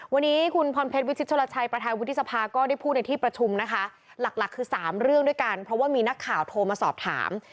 วันนี้คุณพรเพชรวิชิตชลชัยประธานวุฒิสภาก็ได้พูดในที่ประชุมนะคะหลักหลักคือ๓เรื่องด้วยกันเพราะว่ามีนักข่าวโทรมาสอบถาม